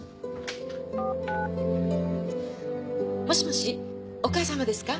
もしもしお義母様ですか？